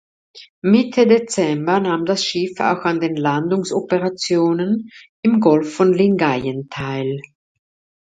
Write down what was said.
Mitte Dezember nahm das Schiff auch an den Landungsoperationen im Golf von Lingayen teil.